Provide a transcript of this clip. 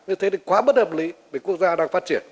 như thế thì quá bất hợp lý vì quốc gia đang phát triển